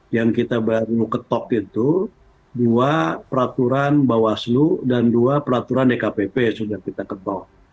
yang kita baru ketok itu dua peraturan bawaslu dan dua peraturan dkpp sudah kita ketok